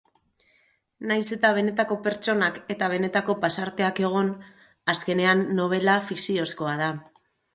Nahiz eta benetako pertsonak eta benetako pasarteak egon, azkenean nobela fikziozkoa da.